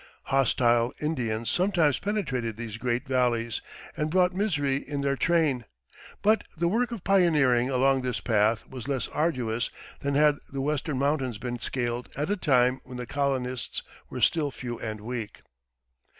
Hostile Indians sometimes penetrated these great valleys and brought misery in their train; but the work of pioneering along this path was less arduous than had the western mountains been scaled at a time when the colonists were still few and weak.